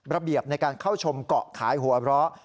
ระเบียบในการเข้าชมเกาะขายหัวเราะ